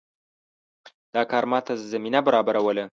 دا کار ماته زمینه برابروله.